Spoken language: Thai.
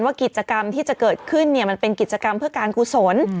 กิจกรรมที่จะเกิดขึ้นมันเป็นกิจกรรมเพื่อการกุศล